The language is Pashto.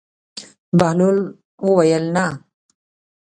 بهلول وویل: نه.